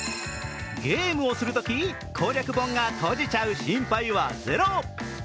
ゲームをするとき攻略本が閉じちゃう心配はゼロ。